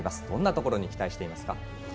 どんなところに期待してますか？